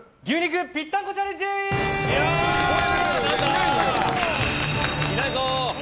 いないぞ！